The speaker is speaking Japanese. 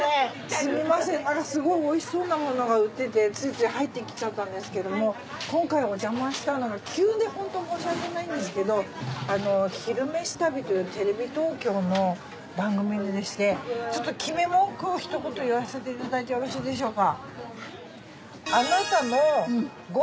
すみませんすごいおいしそうなものが売っててついつい入ってきちゃったんですけれども今回おじゃましたのが急でホント申し訳ないんですけど「昼めし旅」というテレビ東京の番組でしてちょっと決め文句をひと言言わせていただいてよろしいでしょうか。